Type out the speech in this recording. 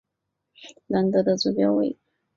兰德的座标为。